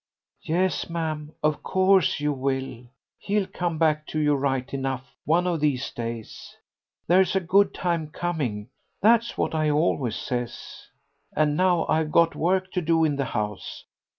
"Yes, ma'am, of course you will. He'll come back to you right enough one of these days. There's a good time coming; that's what I always says.... And now I've got work to do in the house.